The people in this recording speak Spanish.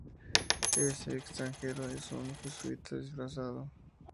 Ese extranjero era un jesuita disfrazado.